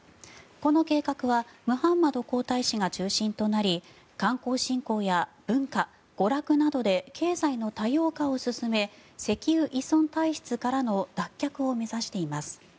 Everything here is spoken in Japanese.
この計画はムハンマド皇太子が中心となり観光振興や文化、娯楽などで経済の多様化を進め石油依存体質からの脱却を目指しています。